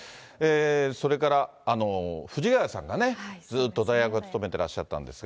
それから藤ヶ谷さんがね、ずっと代役を務めてらっしゃったんですが。